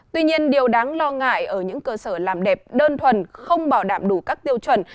tuy nhiên điều đáng lo ngại ở những cơ sở làm đẹp đơn thuần không bảo đảm đủ các tiêu chuẩn